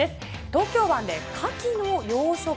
東京湾でカキの養殖。